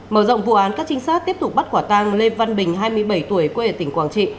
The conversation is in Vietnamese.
mở rộng vụ án các trinh sát tiếp tục bắt quả tang lê văn bình hai mươi bảy tuổi quê ở tỉnh quảng trị